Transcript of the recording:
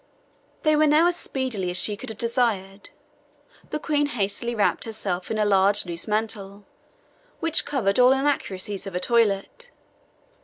They were now as speedy as she could have desired. The Queen hastily wrapped herself in a large loose mantle, which covered all inaccuracies of the toilet.